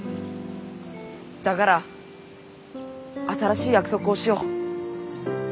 「だから新しい約束をしよう」。